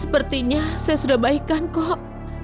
sepertinya saya sudah baikan kok